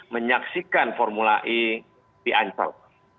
menyaksikan formula e di ancol